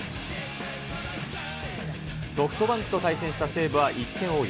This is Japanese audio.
ソフトバンクと対戦した西武は１点を追う